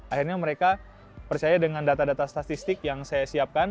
akhirnya mereka percaya dengan data data statistik yang saya siapkan